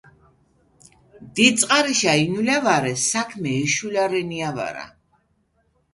დიდი წყარიშა ინულა ვარე საქმე ეშულა რენია ვარა